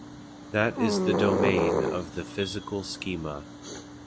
That is the domain of the "physical schema".